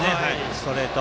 ストレート。